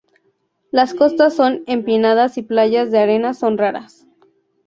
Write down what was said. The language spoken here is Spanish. Las costas son empinadas y playas de arena son raras.